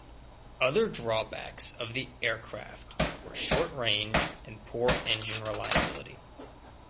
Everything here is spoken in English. Other drawbacks of the aircraft were short range and poor engine reliability.